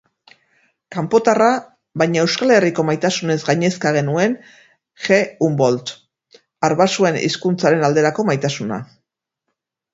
Kanpotarra, baina Euskal Herriko maitasunez gainezka genuen G. Humboldt. Arbasoen hizkuntzaren alderako maitasuna.